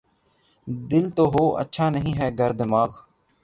دل تو ہو‘ اچھا‘ نہیں ہے گر دماغ